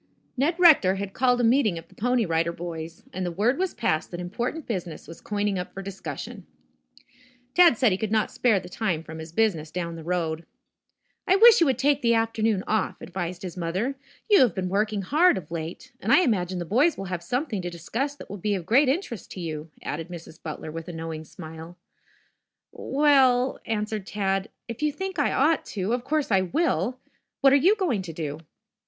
Ned Rector had called a meeting of the Pony Rider Boys, and the word was passed that important business was coining up for discussion. Tad said he could not spare the time from his business down the road. "I wish you would take the afternoon off," advised his mother. "You have been working hard of late, and I imagine the boys will have something to discuss that will be of great interest to you," added Mrs. Butler with a knowing smile. "W e l l," answered Tad. "If you think I ought to, of course I will. What are you going to do?"